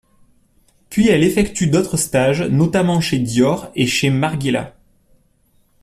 Puis elle effectue d'autres stages, notamment chez Dior, et chez Margiela.